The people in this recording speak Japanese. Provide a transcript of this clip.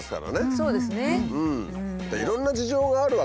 そうですね。